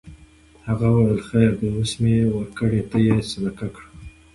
هغه وویل خیر دی اوس مې ورکړې ته یې صدقه کړه.